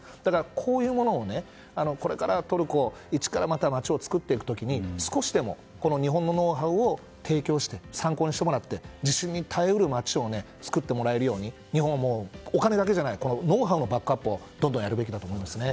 こういうものを、これからトルコ一から街を作っていく時に少しでもこの日本のノウハウを提供して参考にしてもらって地震に耐え得る街を作ってもらえるように日本もお金だけじゃないノウハウのバックアップをどんどんやるべきだと思いますね。